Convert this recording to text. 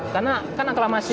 karena kan aklamasi